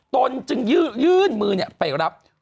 ตนจึงยืนมือเนี่ยไปรับ